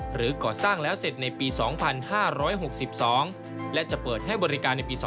หรือก่อสร้างแล้วเสร็จในปี๒๕๖๒และจะเปิดให้บริการในปี๒๕